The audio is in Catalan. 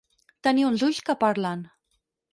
Tenir uns ulls que parlen.